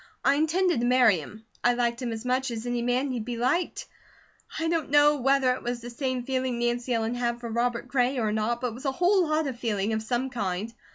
I intended to marry him. I liked him as much as any man need be liked. I don't know whether it was the same feeling Nancy Ellen had for Robert Gray or not, but it was a whole lot of feeling of some kind.